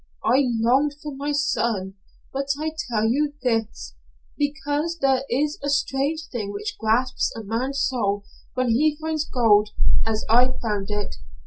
"I longed for my son, but I tell you this, because there is a strange thing which grasps a man's soul when he finds gold as I found it.